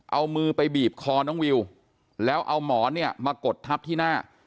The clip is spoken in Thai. เอามือไปบีบคอน้องวิวแล้วเอาหมอนเนี่ยมากดทับที่หน้า